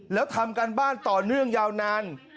แล้วทำการบ้านต่อเนื่องยาวนาน